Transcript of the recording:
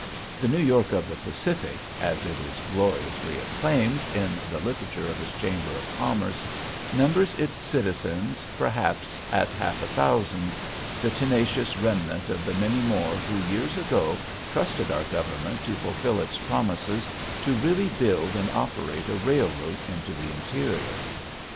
The "New York of the Pacific," as it is gloriously acclaimed in the literature of its Chamber of Commerce, numbers its citizens perhaps at half a thousand the tenacious remnant of the many more who years ago trusted our government to fulfill its promises to really build and operate a railroad into the interior.